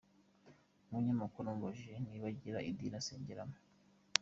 Umunyamakuru amubajije niba agira idini asengeramo, Dr.